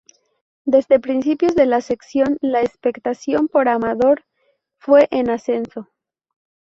Desde principios de la sección, la expectación por "Amador" fue en ascenso.